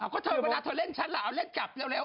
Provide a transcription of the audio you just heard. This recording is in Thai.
ก็เธอเวลาเธอเล่นฉันล่ะเอาเล่นกลับเร็ว